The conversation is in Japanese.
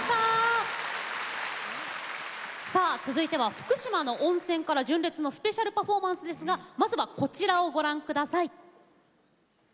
続いては福島の温泉から純烈のスペシャルパフォーマンスですがまずは、こちらをご覧ください。